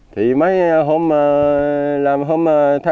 thì mấy hôm